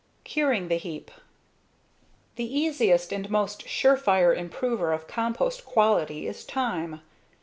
Curing the Heap The easiest and most sure fire improver of compost quality is time.